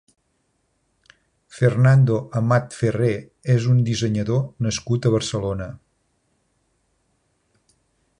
Fernando Amat Ferré és un dissenyador nascut a Barcelona.